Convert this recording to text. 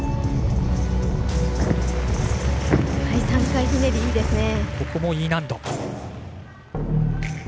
３回ひねり、いいですね。